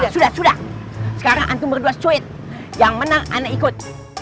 sudah sudah sekarang antum berdua suit yang menang anak ikut